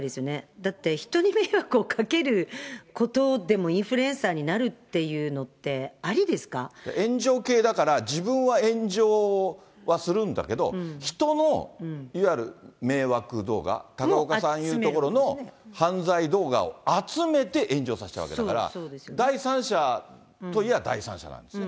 だって人に迷惑をかけることでもインフルエンサーになるってたく炎上系だから、自分は炎上はするんだけど、人のいわゆる迷惑動画、高岡さんの言うところの犯罪動画を集めて炎上させちゃうわけだから、第三者といえば、第三者なんですよね。